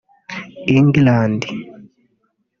England